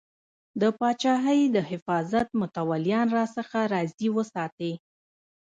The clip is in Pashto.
د پاچاهۍ د حفاظت متولیان راڅخه راضي وساتې.